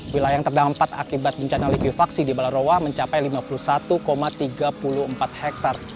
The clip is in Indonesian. wilayah yang terdampak akibat bencana liku vaksin di balai roa mencapai lima puluh satu tiga puluh empat hektar